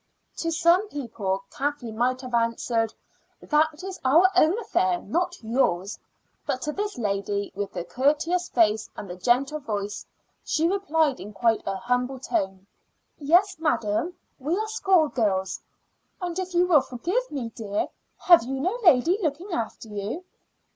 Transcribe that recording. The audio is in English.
To some people Kathleen might have answered, "That is our own affair, not yours;" but to this lady with the courteous face and the gentle voice she replied in quite a humble tone: "Yes, madam, we are schoolgirls." "And if you will forgive me, dear, have you no lady looking after you?"